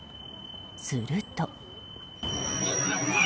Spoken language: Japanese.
すると。